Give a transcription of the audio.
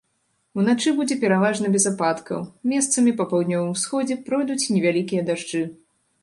Уначы будзе пераважна без ападкаў, месцамі па паўднёвым усходзе пройдуць невялікія дажджы.